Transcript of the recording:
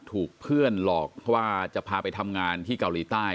ถูกเพื่อนหลอกเพราะว่าจะพาไปทำงานที่เกาหลีใต้